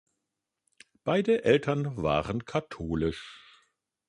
Beide Eltern waren katholisch.